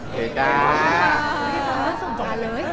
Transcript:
โอเคจ้า